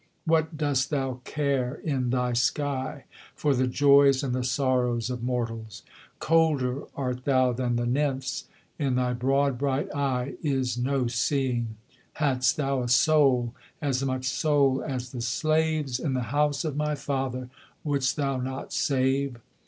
What dost thou care, in thy sky, for the joys and the sorrows of mortals? Colder art thou than the nymphs: in thy broad bright eye is no seeing. Hadst thou a soul as much soul as the slaves in the house of my father, Wouldst thou not save?